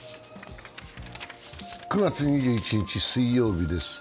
９月２１日水曜日です。